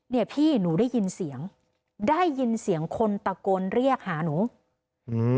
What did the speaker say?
เนี่ยพี่หนูได้ยินเสียงได้ยินเสียงคนตะโกนเรียกหาหนูอืม